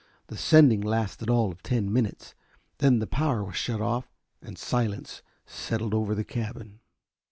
The sending lasted all of ten minutes, then the power was shut off and silence settled over the cabin.